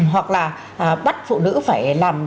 hoặc là bắt phụ nữ phải làm